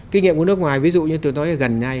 kinh nghiệm của nước ngoài ví dụ như tôi nói gần đây